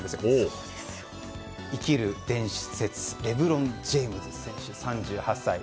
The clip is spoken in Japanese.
生きる伝説レブロン・ジェームズ選手３８歳。